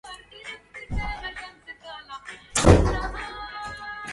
مضى غير مذموم زمان شبابي